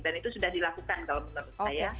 dan itu sudah dilakukan kalau menurut saya